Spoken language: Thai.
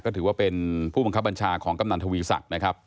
ก็ถือว่าเป็นผู้บังคับบัญชาของกำนันทวีศักดิ์นะครับ